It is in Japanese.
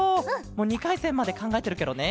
もう２かいせんまでかんがえてるケロね。